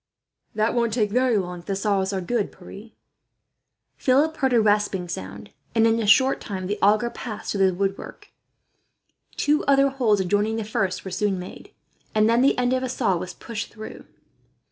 "That won't take very long, if the saws are good, Pierre." Philip heard a rasping sound and, in a short time, the auger passed through the woodwork. Two other holes adjoining the first were soon made, and then the end of a saw was pushed through.